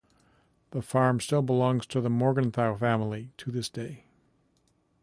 The farm still belongs to the Morgenthau family to this day.